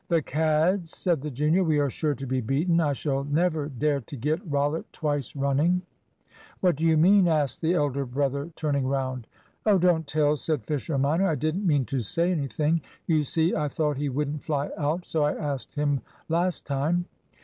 "The cads!" said the junior. "We are sure to be beaten; I shall never dare to get Rollitt twice running." "What do you mean?" asked the elder brother, turning round. "Oh, don't tell," said Fisher minor, "I didn't mean to say anything; you see, I thought he wouldn't fly out, so I asked him last time."